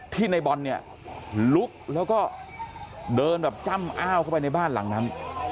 ในบอลเนี่ยลุกแล้วก็เดินแบบจ้ำอ้าวเข้าไปในบ้านหลังนั้น